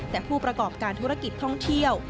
แต่ผู้ประกอบการธุรกิจท่องเที่ยว